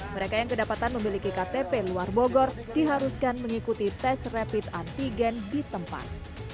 mereka yang kedapatan memiliki ktp luar bogor diharuskan mengikuti tes rapid antigen di tempat